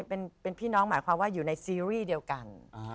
เป็นพี่น้องหมายความว่าอยู่ในซีรีส์